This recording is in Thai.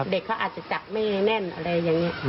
เด็กเขาอาจจะจับไม่ให้แน่นอะไรอย่างนี้